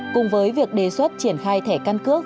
cùng với việc đề xuất triển khai thẻ căn cước